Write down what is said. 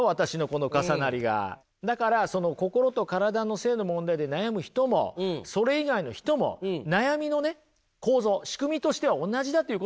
だからその心と体の性の問題で悩む人もそれ以外の人も悩みのね構造仕組みとしては同じだっていうことなんですよ。